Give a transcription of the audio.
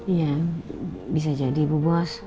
iya bisa jadi bu bos